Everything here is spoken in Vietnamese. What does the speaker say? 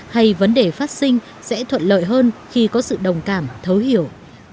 hay vấn đề phát sinh sẽ thuận lợi hơn khi có sự đồng cảm thấu hiểu